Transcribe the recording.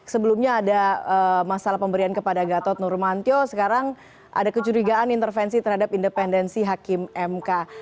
sebelumnya ada masalah pemberian kepada gatot nurmantio sekarang ada kecurigaan intervensi terhadap independensi hakim mk